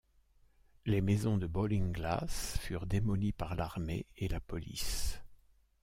Les maisons de Ballinglass furent démolies par l'armée et la police.